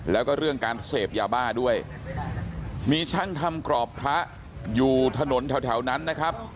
แล้วก็เรื่องการเสพยาบ้าด้วยมีช่างทำกรอบพระอยู่ถนนแถวนั้นนะครับ